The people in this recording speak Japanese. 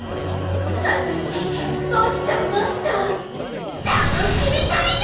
私もっともっと楽しみたいの！